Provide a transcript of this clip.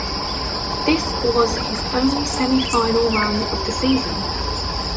This was his only semi-final run of the season.